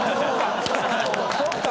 そっか！